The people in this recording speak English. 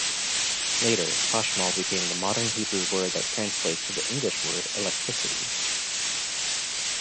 Later, "hashmal" became the modern Hebrew word that translates to the English word "electricity.